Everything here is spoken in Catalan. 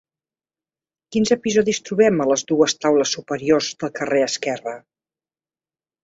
Quins episodis trobem a les dues taules superiors del carrer esquerre?